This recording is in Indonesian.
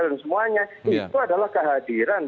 semuanya itu adalah kehadiran